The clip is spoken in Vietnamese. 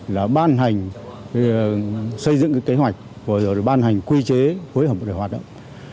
là ban hành xây dựng kế hoạch và ban hành quy chế phối hợp để hoạt động